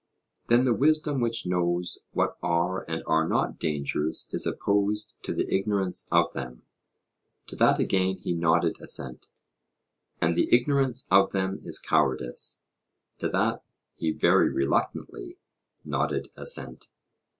Then the wisdom which knows what are and are not dangers is opposed to the ignorance of them? To that again he nodded assent. And the ignorance of them is cowardice? To that he very reluctantly nodded assent.